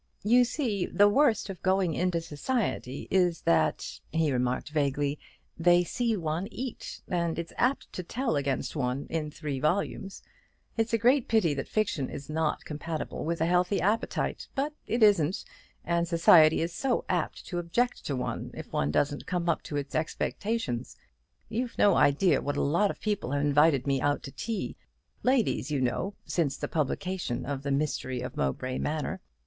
"You see, the worst of going into society is that," he remarked vaguely, "they see one eat; and it's apt to tell against one in three volumes. It's a great pity that fiction is not compatible with a healthy appetite; but it isn't; and society is so apt to object to one, if one doesn't come up to its expectations. You've no idea what a lot of people have invited me out to tea ladies, you know since the publication of 'The Mystery of Mowbray Manor.'